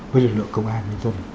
với lực lượng công an